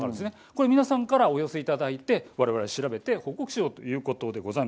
これを皆さんからお寄せいただいて我々が調べて報告しようということです。